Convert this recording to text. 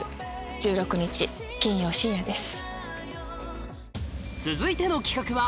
１６日金曜深夜です。